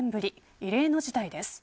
異例の事態です。